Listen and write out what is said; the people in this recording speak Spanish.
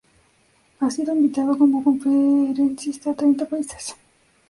Ha sido invitado como conferencista a treinta países.